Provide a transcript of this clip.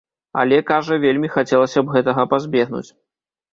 Але, кажа, вельмі хацелася б гэтага пазбегнуць.